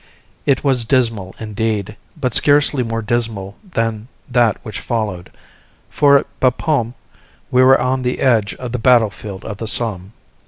It was dismal, indeed, but scarcely more dismal than that which followed; for at Bapaume we were on the edge of the battle field of the Somme.